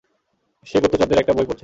সে গুপ্তচরদের একটা বই পড়ছে।